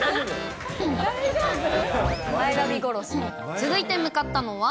続いて向かったのは。